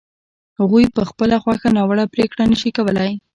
هغوی په خپله خوښه ناوړه پرېکړه نه شي کولای.